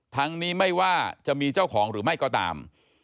ทั้งนี้ไม่ว่าจะมีเจ้าของหรือไม่ก็ตาม